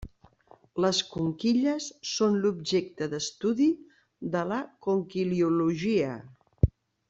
Les conquilles són l'objecte d'estudi de la conquiliologia.